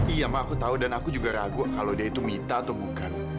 iya mah aku tahu dan aku juga ragu kalau dia itu minta atau bukan